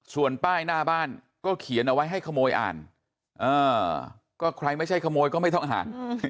ส่วนป้ายหน้าบ้านก็เขียนเอาไว้ให้ขโมยอ่านก็ใครไม่ใช่ขโมยก็ไม่ต้องอ่าน